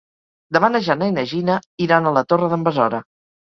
Demà na Jana i na Gina iran a la Torre d'en Besora.